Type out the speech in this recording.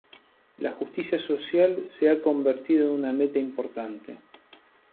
La justicia social se ha convertido en una meta importante.